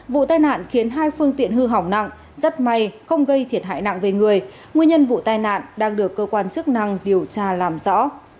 vụ tai nạn khiến hai phương tiện hư hỏng nặng rất may không gây thiệt hại nặng về người nguyên nhân vụ tai nạn đang được cơ quan chức năng điều tra làm rõ